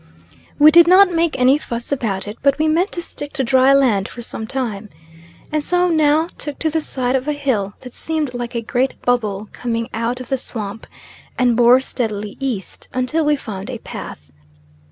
We did not make any fuss about it, but we meant to stick to dry land for some time, and so now took to the side of a hill that seemed like a great bubble coming out of the swamp, and bore steadily E. until we found a path.